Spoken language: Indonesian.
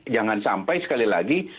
jangan sampai sekali lagi